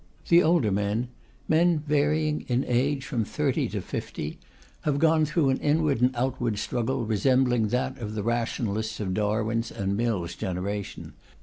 The older men men varying in age from 30 to 50 have gone through an inward and outward struggle resembling that of the rationalists of Darwin's and Mill's generation.